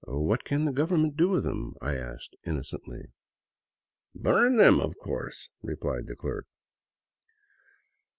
" What can the government do with them ?" I asked, innocently. " Burn them, of course," replied the clerk.